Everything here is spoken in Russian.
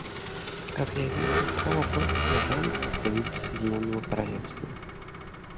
Как я вижу, слова просит уважаемый представитель Соединенного Королевства.